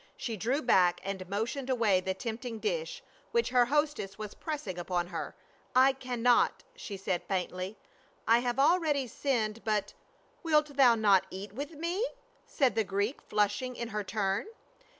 She drew back and motioned away the tempting dish which her hostess was pressing upon her. " I — cannot," she said faintly, " I have already sinned, but —"" Wilt thou not eat with me ?" said the Greek, flush ing in her turn.